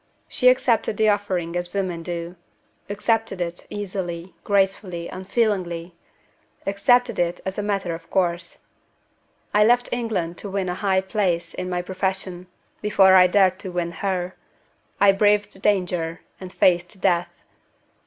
She accepted the offering as women do accepted it, easily, gracefully, unfeelingly accepted it as a matter of course. I left England to win a high place in my profession, before I dared to win her. I braved danger, and faced death.